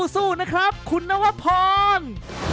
สู้นะครับคุณนวพร